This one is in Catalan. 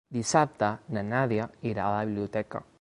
Dissabte na Nàdia irà a la biblioteca.